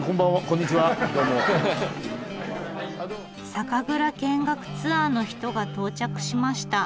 酒蔵見学ツアーの人が到着しました。